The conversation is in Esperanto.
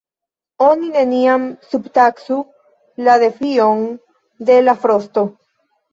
Oni neniam subtaksu la defion de la frosto!